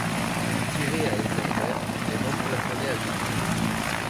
Tiré à exemplaires, les ventes plafonnaient à copies.